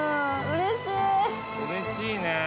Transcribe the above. うれしいね。